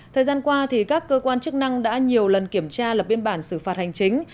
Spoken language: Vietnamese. thời gian qua các cơ quan chức năng đã nhiều lần kiểm tra lập biên bản xử phạt hành chính